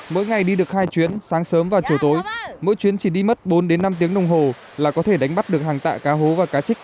mỗi ngày đi được hai chuyến sáng sớm và chiều tối mỗi chuyến chỉ đi mất bốn đến năm tiếng đồng hồ là có thể đánh bắt được hàng tạ cá hố và cá trích